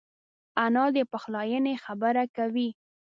انا د پخلاینې خبره کوي